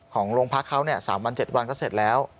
ของโรงพักเขา๓วัน๗วันก็เสร็จแล้ว